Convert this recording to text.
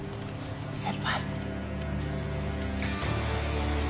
先輩。